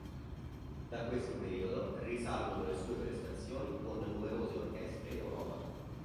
Da questo periodo risalgono le sue prestazioni con numerose orchestre in Europa.